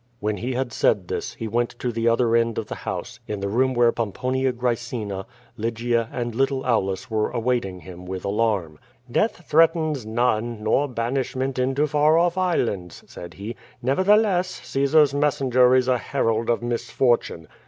When he had said this, he went to the other end of the house, in the room where Pomponitf^Graecina, Lygia and ? little Aulus were awaiting him with alarm. "Death threatens none, nor banishment into far olT islands," said he. "Nevertheless, Caesar's messenger is a herald of misfortune.